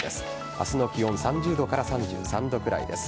明日の気温３０度から３３度くらいです。